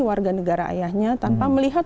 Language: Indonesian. warga negara ayahnya tanpa melihat